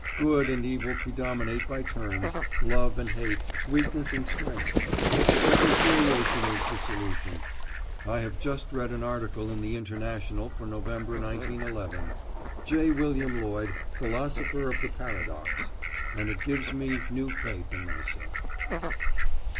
Good and evil predominate by turns, love and hate, weakness and strength. Reconciliation is the solution. I have just read an article in The International for November, 1911 "J. William Lloyd, Philosopher of the Paradox," and it gives me new faith in myself.